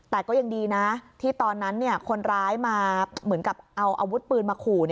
แต่ก็ยังดีนะที่ตอนนั้นคนร้ายมาเหมือนกับเอาอาวุธปืนมาขู่